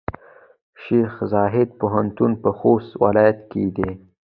شیخزاید پوهنتون پۀ خوست ولایت کې دی.